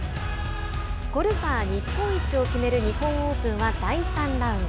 ゴルファー日本一を決める日本オープンは第３ラウンド。